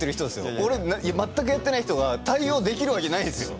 俺全くやってない人が対応できるわけないんですよ。